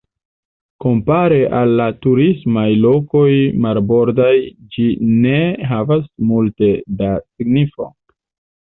Kompare al la turismaj lokoj marbordaj ĝi ne havas multe da signifo.